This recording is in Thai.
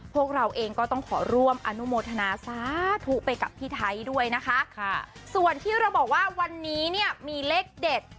พวกเราเองก็ต้องขอร่วมอนุโมทนาสาธุไปกับพี่ไทยด้วยนะคะค่ะส่วนที่เราบอกว่าวันนี้เนี่ยมีเลขเด็ด